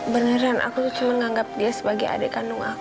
beneran aku cuma menganggap dia sebagai adik kandung aku